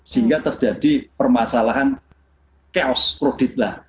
sehingga terjadi permasalahan chaos kreditlah